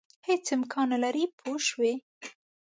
هېڅ امکان نه لري پوه شوې!.